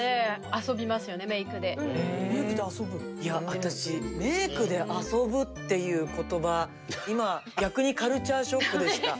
私、メークで遊ぶっていうことば、今、逆にカルチャーショックでした。